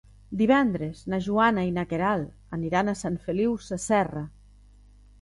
Divendres na Joana i na Queralt aniran a Sant Feliu Sasserra.